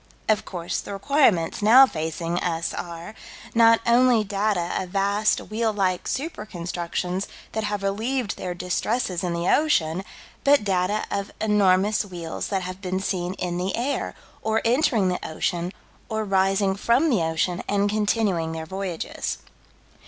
Of course the requirements now facing us are: Not only data of vast wheel like super constructions that have relieved their distresses in the ocean, but data of enormous wheels that have been seen in the air, or entering the ocean, or rising from the ocean and continuing their voyages.